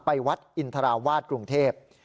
วัดอินทราวาสกรุงเทพ